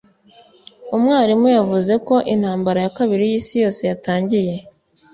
umwarimu yavuze ko intambara ya kabiri y'isi yose yatangiye